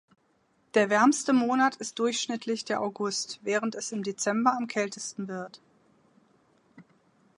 Der wärmste Monat ist durchschnittlich der August, während es im Dezember am kältesten wird.